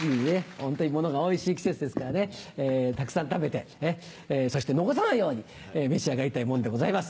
ホントに物がおいしい季節ですからねたくさん食べてそして残さないように召し上がりたいもんでございます。